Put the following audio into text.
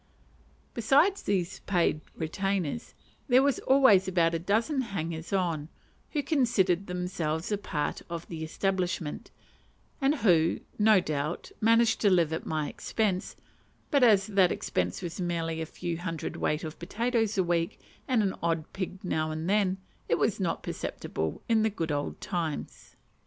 Besides these paid retainers, there was always about a dozen hangers on, who considered themselves apart of the establishment, and who, no doubt, managed to live at my expense; but as that expense was merely a few hundredweight of potatoes a week, and an odd pig now and then, it was not perceptible in the good old times.